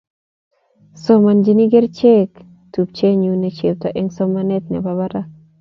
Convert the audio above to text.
Somanchini kerichek tupchenyu ne chepto eng' somanetab barak